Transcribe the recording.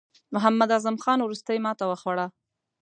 محمد اعظم خان وروستۍ ماته وخوړه.